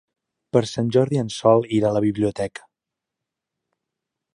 Per Sant Jordi en Sol irà a la biblioteca.